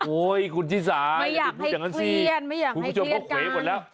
โอ้ยคุณที่สาไม่อยากให้เคลียร์ไม่อยากให้เคลียร์กันคุณผู้ชมเข้าขวีหมดแล้ว